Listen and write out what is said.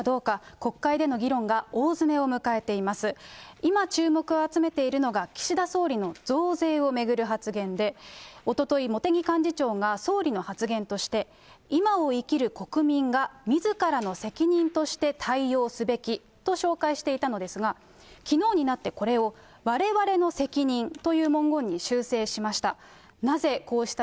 今注目を集めているのが、岸田総理の増税を巡る発言で、おととい、茂木幹事長が総理の発言として、今を生きる国民がみずからの責任として対応すべきと紹介していたのですが、きのうになって、これを、われわれの責任という文言に修正しました。